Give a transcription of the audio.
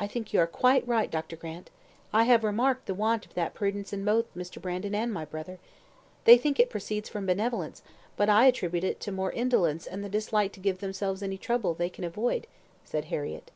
"I think you are quite right, Dr. Grant. I have remarked the want of that prudence in both Mr. Brandon and my brother. They think it proceeds from benevolence, but I attribute it more to indolence and the dislike to give themselves any trouble they can avoid," said Harriett.